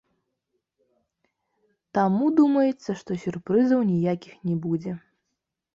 Таму, думаецца, што сюрпрызаў ніякіх не будзе.